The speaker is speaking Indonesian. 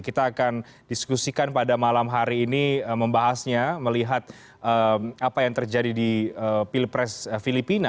kita akan diskusikan pada malam hari ini membahasnya melihat apa yang terjadi di pilpres filipina